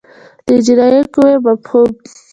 د اجرایه قوې مفهوم